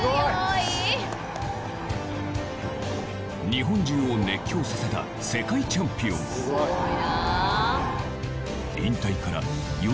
日本中を熱狂させた世界チャンピオンすごいなぁ。